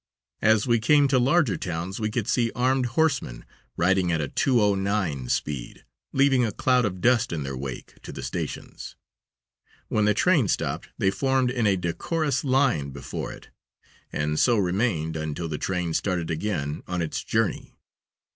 As we came to larger towns we could see armed horsemen riding at a 2:09 speed, leaving a cloud of dust in their wake, to the stations. When the train stopped they formed in a decorous line before it, and so remained until the train started again on its journey.